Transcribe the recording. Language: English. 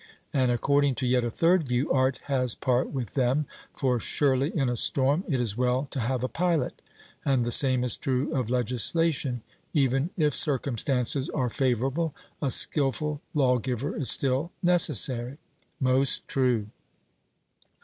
And according to yet a third view, art has part with them, for surely in a storm it is well to have a pilot? And the same is true of legislation: even if circumstances are favourable, a skilful lawgiver is still necessary. 'Most true.'